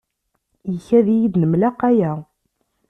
Ikad-iyi-d nemlaqa ya.